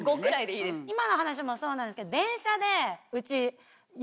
今の話もそうなんですけど。